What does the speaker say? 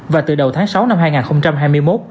và từ đầu tháng sáu năm hai nghìn hai mươi một